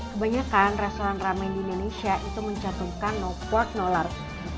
kebanyakan restoran ramen di indonesia itu mencaturkan no pork no lard